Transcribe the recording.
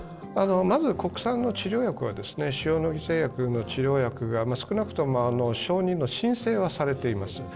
まず国産の治療薬は塩野義製薬の治療薬が少なくとも承認の申請はされています。